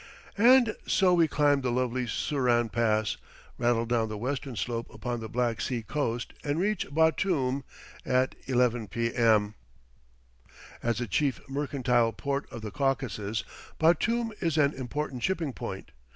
And so we climb the lovely Suran Pass, rattle down the western slope upon the Black Sea coast, and reach Batoum at 11 p.m. As the chief mercantile port of the Caucasus, Batoum is an important shipping point.